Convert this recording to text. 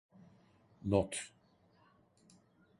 Not: